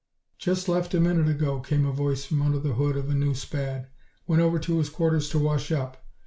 "Just left a minute ago," came a voice from under the hood of a new Spad. "Went over to his quarters to wash up.